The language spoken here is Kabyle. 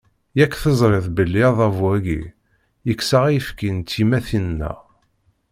Yak tezriḍ belli adabu-agi, yekkes-aɣ ayefki n tyemmatin-nneɣ.